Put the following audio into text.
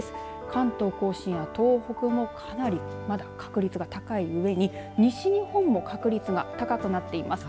関東甲信や東北もかなりまだ確率が高いうえに西日本も確率が高くなっています。